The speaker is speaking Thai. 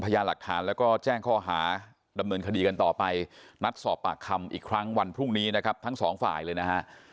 ยาหลักฐานแล้วก็แจ้งข้อหาดำเนินคดีกันต่อไปนัดสอบปากคำอีกครั้งวันพรุ่งนี้นะครับทั้งสองฝ่ายเลยนะฮะ